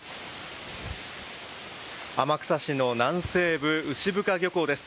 天草市の南西部、牛深漁港です。